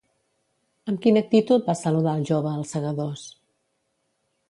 Amb quina actitud va saludar el jove als segadors?